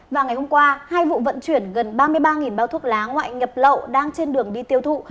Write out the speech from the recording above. và ngày hôm qua hai vụ vận chuyển gần ba mươi ba bao thuốc lá ngoại nhập lậu đang trên đường đi tiêu thụ